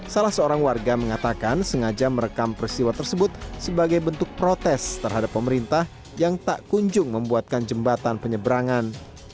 salah seorang warga mengatakan sengaja merekam peristiwa tersebut sebagai bentuk protes terhadap pemerintah yang tak kunjung membuatkan jembatan penyeberangan